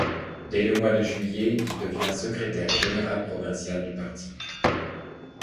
Dès le mois de juillet, il devient secrétaire général provincial du parti.